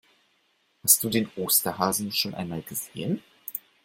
Hast du den Osterhasen schon einmal gesehen?